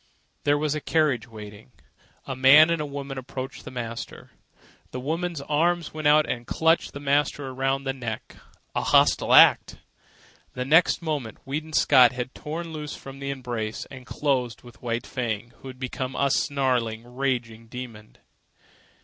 There was a carriage waiting. A man and a woman approached the master. The woman's arms went out and clutched the master around the neck—a hostile act! The next moment Weedon Scott had torn loose from the embrace and closed with White Fang, who had become a snarling, raging demon.